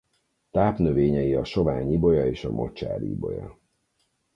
Tápnövényei a sovány ibolya és a mocsári ibolya.